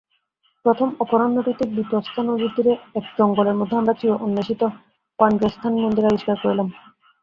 প্রথম অপরাহ্নটিতে বিতস্তা নদীতীরে এক জঙ্গলের মধ্যে আমরা চির-অন্বেষিত পাণ্ড্রেন্থান মন্দির আবিষ্কার করিলাম।